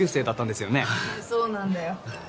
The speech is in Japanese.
そうなんだよ。